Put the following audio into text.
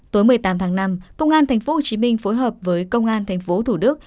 tối một mươi tám tháng năm công an thành phố hồ chí minh phối hợp với công an thành phố thủ đức